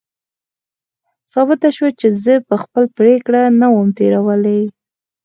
ثابته شوه چې زه په خپله پرېکړه نه وم تېروتلی.